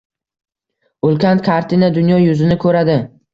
Ulkan kartina dunyo yuzini ko‘radi.